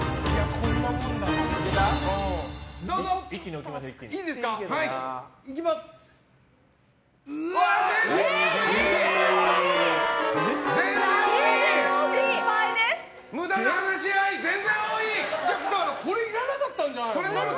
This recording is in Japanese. これいらなかったんじゃないの？